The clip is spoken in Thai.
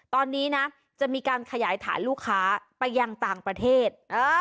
ตอนนี้นะจะมีการขยายฐานลูกค้าไปยังต่างประเทศ